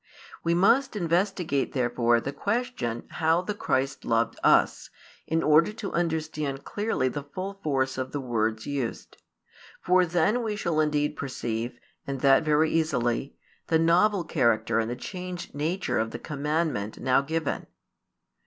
We must investigate therefore the question how the Christ loved us, in order to understand clearly the full force of the words used. For then we shall indeed perceive, and that very easily, the novel character and the changed nature of the commandment now given.